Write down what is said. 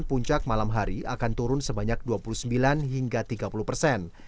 puncak malam hari akan turun sebanyak dua puluh sembilan hingga tiga puluh persen